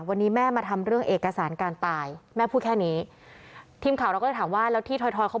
วันนี้แม่มาทำเรื่องเอกสารการตายแม่พูดแค่นี้